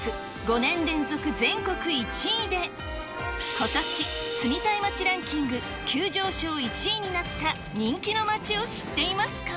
５年連続全国１位で、ことし、住みたい街ランキング急上昇１位になった人気の街を知っていますか？